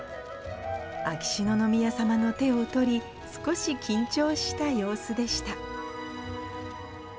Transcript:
秋篠宮さまの手を取り、少し緊張した様子でした。